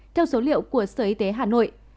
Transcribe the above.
theo số liệu của sở y tế hà nội